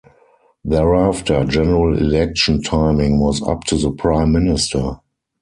Thereafter, general election timing was up to the Prime Minister.